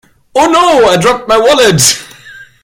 Oh No! I dropped my wallet!.